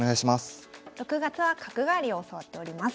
６月は角換わりを教わっております。